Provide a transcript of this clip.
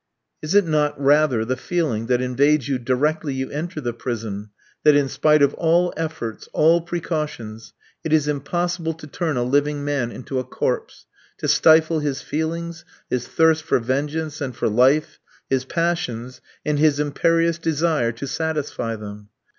Is it not rather the feeling that invades you directly you enter the prison, that in spite of all efforts, all precautions, it is impossible to turn a living man into a corpse, to stifle his feelings, his thirst for vengeance and for life, his passions, and his imperious desire to satisfy them?